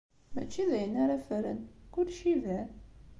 Mačči d ayen ara ffren, kullec iban.